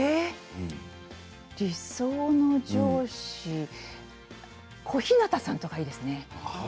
理想の上司小日向さんとかいいですね。